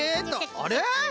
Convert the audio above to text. あれ！